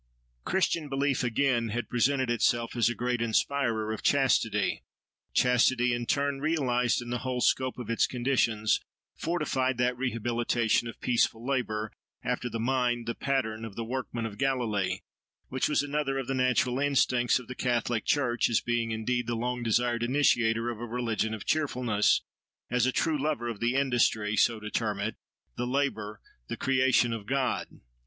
Christian belief, again, had presented itself as a great inspirer of chastity. Chastity, in turn, realised in the whole scope of its conditions, fortified that rehabilitation of peaceful labour, after the mind, the pattern, of the workman of Galilee, which was another of the natural instincts of the catholic church, as being indeed the long desired initiator of a religion of cheerfulness, as a true lover of the industry—so to term it—the labour, the creation, of God.